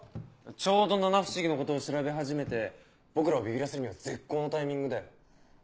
ちょうど七不思議のことを調べ始めて僕らをビビらせるには絶好のタイミングだよ。